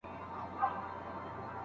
په اوديسه کي څه بيان سوي دي؟